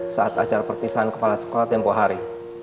saat acara perpisahan kepala sekolah tempoh hari